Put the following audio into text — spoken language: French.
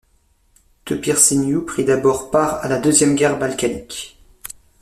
Topîrceanu prit d'abord part à la Deuxième guerre balkanique.